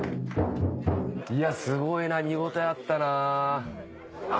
すごいな見応えあったな。